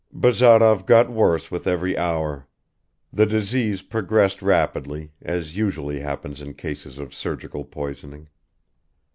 Bazarov got worse with every hour; the disease progressed rapidly, as usually happens in cases of surgical poisoning.